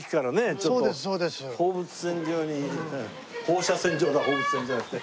ちょっと放物線状に放射線状だ放物線じゃなくて。